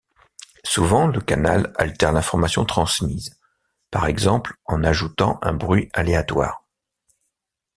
Souvent, le canal altère l'information transmise, par exemple en ajoutant un bruit aléatoire.